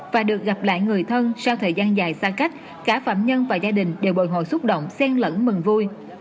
và được gặp lại người thân sau thời gian dài xa cách cả phạm nhân và gia đình đều bồi hồi xúc động sen lẫn mừng vui